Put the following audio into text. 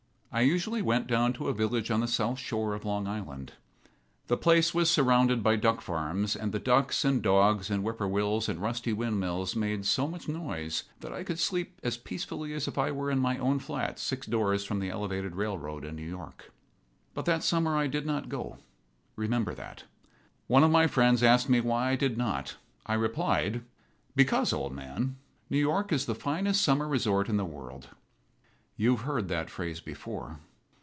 I usually went down to a village on the south shore of Long Island. The place was surrounded by duck farms, and the ducks and dogs and whippoorwills and rusty windmills made so much noise that I could sleep as peacefully as if I were in my own flat six doors from the elevated railroad in New York. But that summer I did not go. Remember that. One of my friends asked me why I did not. I replied: "Because, old man, New York is the finest summer resort in the world." You have heard that phrase before.